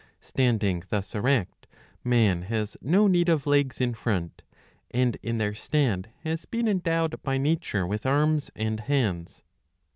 Standing thus erect, man has no need of legs in front, and in their stead has been endowed by nature with arms and hands.